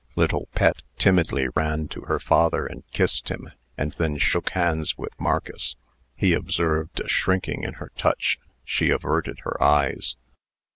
Little Pet timidly ran to her father, and kissed him, and then shook hands with Marcus. He observed a shrinking in her touch. She averted her eyes.